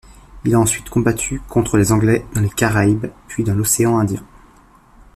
Il a ensuite combattu contre les Anglais dans les Caraïbes, puis dans l'océan Indien.